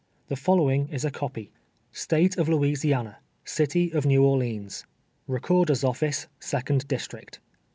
The following is a copy :" State of Louisiana — City of Kew Orleans : Recorder's Office, Second District.